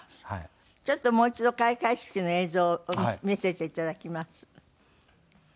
ちょっともう一度開会式の映像を見せていただきます。